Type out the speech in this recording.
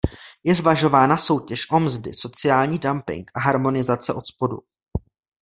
Je zvažována soutěž o mzdy, sociální dumping a harmonizace odspodu.